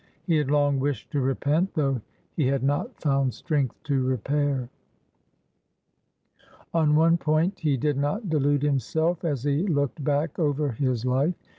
He had long wished to repent, though he had not found strength to repair. On one point he did not delude himself as he looked back over his life.